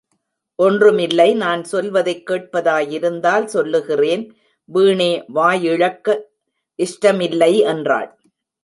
ஒன்றுமில்லை நான் சொல்வதைக்கேட்பதாயிருந்தால், சொல்லுகிறேன், வீணே வாயிழக்க இஷ்டமில்லை என்றாள்.